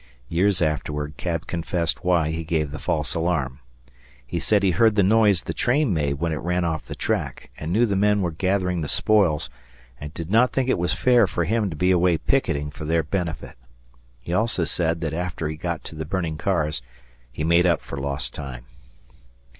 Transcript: Years afterwards Cab confessed why he gave the false alarm. He said he heard the noise the train made when it ran off the track and knew the men were gathering the spoils and did not think it was fair for him to be away picketing for their benefit. He also said that after he got to the burning cars he made up for lost time.